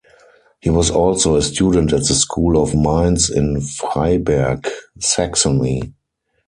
He was also a student at the School of Mines in Freiberg, Saxony.